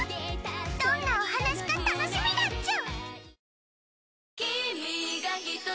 どんなお話か楽しみだっちゅ！